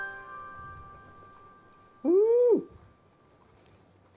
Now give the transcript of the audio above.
うん！